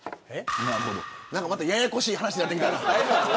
またややこしい話になってきた。